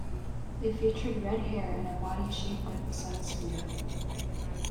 It featured red hair and a body shaped like the Sunsphere.